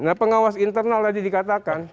nah pengawas internal tadi dikatakan